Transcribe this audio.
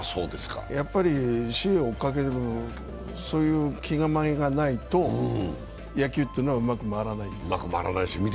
やっぱり首位を追いかける、そういう気構えがないと野球ってのは、うまく回らないんですよ。